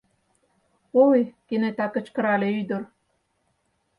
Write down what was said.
— Ой, — кенета кычкырале ӱдыр.